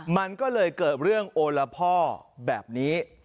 มันก็เลยเกิดเรื่องโอละพ่อแบบนี้